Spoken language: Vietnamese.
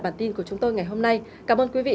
bản tin của chúng tôi ngày hôm nay cảm ơn quý vị